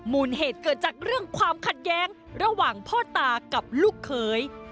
มูลเหตุเกิดจากเรื่องความขัดแย้งระหว่างพ่อตากับลูกเขย